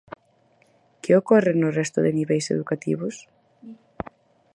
Que ocorre no resto de niveis educativos?